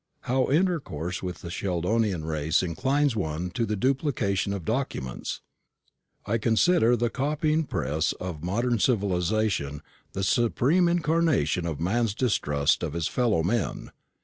How intercourse with the Sheldonian race inclines one to the duplication of documents! I consider the copying press of modern civilization the supreme incarnation of man's distrust of his fellow men.